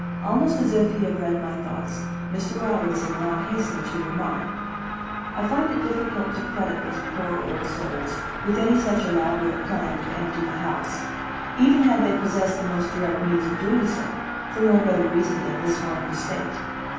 Almost as if he had read my thoughts, Mr. Robinson now hastened to remark: "I find it difficult to credit these poor old souls with any such elaborate plan to empty the house, even had they possessed the most direct means of doing so, for no better reason than this one you state.